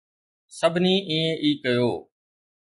سڀني ائين ئي ڪيو.